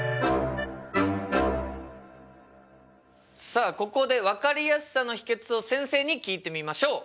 さあここで分かりやすさの秘けつを先生に聞いてみましょう。